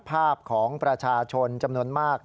ภาพของประชาชนจำนวนมาก